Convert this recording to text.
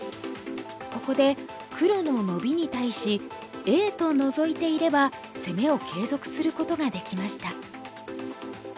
ここで黒のノビに対しＡとノゾいていれば攻めを継続することができました。